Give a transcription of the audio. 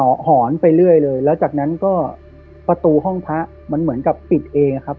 ก็หอนไปเรื่อยเลยแล้วจากนั้นก็ประตูห้องพระมันเหมือนกับปิดเองครับ